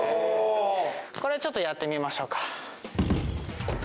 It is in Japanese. これちょっとやってみましょうか。